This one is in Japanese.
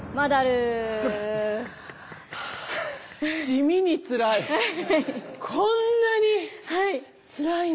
地味につらい。